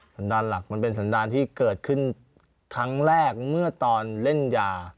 สันดาลหลักมันเป็นสันดารที่เกิดขึ้นครั้งแรกเมื่อตอนเล่นยา